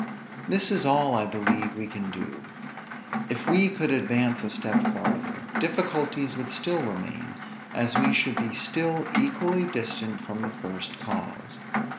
This is all, I believe, we can do. If we could advance a step farther, difficulties would still remain, as we should be still equally distant from the first cause.